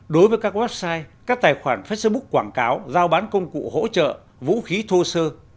đối với các website các tài khoản facebook quảng cáo giao bán công cụ hỗ trợ vũ khí thô sơ